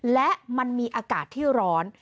และมันมีอากาศที่ร้อน